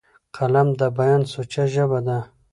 قلم د بیان سوچه ژبه ده